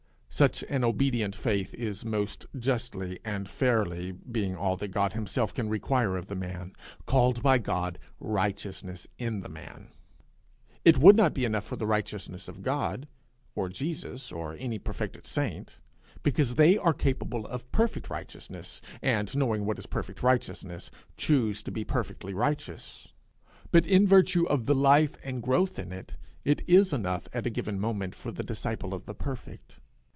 Such an obedient faith is most justly and fairly, being all that God himself can require of the man, called by God righteousness in the man. It would not be enough for the righteousness of God, or Jesus, or any perfected saint, because they are capable of perfect righteousness, and, knowing what is perfect righteousness, choose to be perfectly righteous; but, in virtue of the life and growth in it, it is enough at a given moment for the disciple of the Perfect.